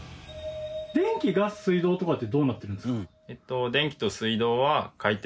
電気ガス水道とかってどうなってるんですか？